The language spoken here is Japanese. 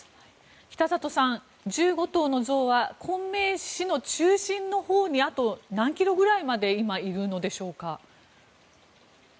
北里さん、１５頭の像は昆明市の中心のほうにあと何キロぐらいまでいるんでしょうか。